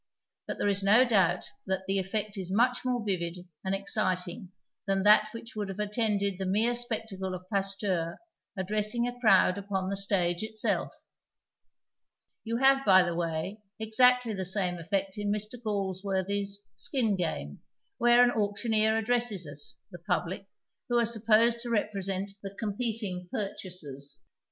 But there is no doubt that the effect is much more vivid and exciting than that which would have attended the mere spectacle of Pasteur addressing a crowd upon the stage itself. You have, by the way, exactly the same effect in Mr. Galsworthy's Skin Game, where an auctioneer addresses us, the public, who are sup posed to represent the competing purchasers.